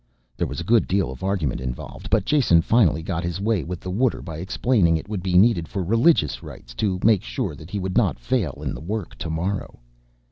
There was a good deal of argument involved, but Jason finally got his way with the water by explaining it was needed for religious rites to make sure that he would not fail in the work tomorrow.